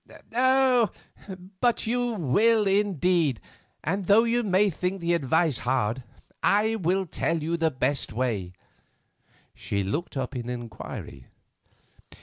"Oh! but you will indeed, and though you may think the advice hard, I will tell you the best way." She looked up in inquiry.